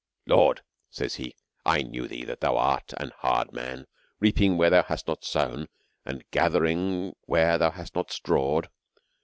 Lord, says he, I knew thee, that thou art an hard nmn, reaping inhere thou hadst not sown, and gathering where thou hadst not strawed.